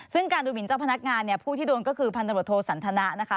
ซึ่งการดูหมินเจ้าพนักงานผู้ที่โดนก็คือพนับโรโธสันทนา